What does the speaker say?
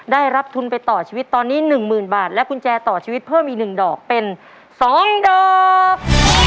ได้รับทุนไปต่อชีวิตตอนนี้หนึ่งหมื่นบาทและกุญแจต่อชีวิตเพิ่มอีกหนึ่งดอกเป็นสองดอก